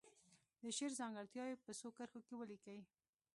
د شعر ځانګړتیاوې په څو کرښو کې ولیکي.